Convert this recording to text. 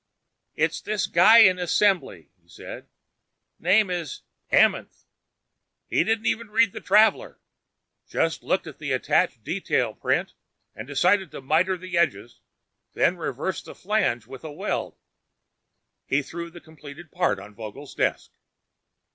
"It's this guy in assembly," he said. "Name is Amenth. He didn't even read the traveler. Just looked at the attached detail print and decided to miter the edges, then reverse the flange with a weld." He threw the completed part on Vogel's desk.